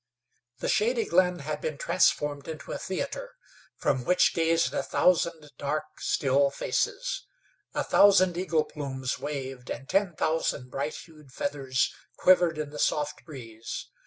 The shady glade had been transformed into a theater, from which gazed a thousand dark, still faces. A thousand eagle plumes waved, and ten thousand bright hued feathers quivered in the soft breeze.